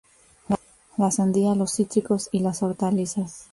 La sandía, los cítricos y las hortalizas.